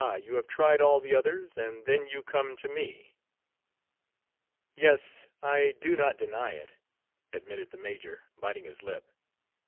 You have tried all the others, and then you come to me!" "Yes, I do not deny it," admitted the major, biting his lip.